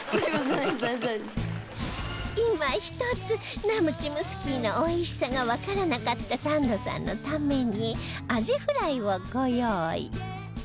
いまひとつナムチムスキーのおいしさがわからなかったサンドさんのためにアジフライをご用意